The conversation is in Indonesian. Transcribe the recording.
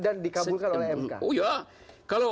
dan dikabulkan oleh mk